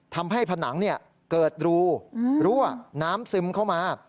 ทำให้ผนังเกิดรูรั่วน้ำซึมเข้ามา